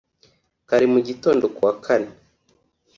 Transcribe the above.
Kare mu gitondo ku wa kane